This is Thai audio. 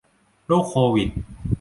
โรคโควิด